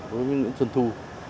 với nguyễn xuân thu